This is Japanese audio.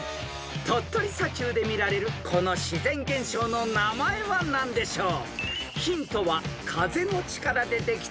［鳥取砂丘で見られるこの自然現象の名前は何でしょう？］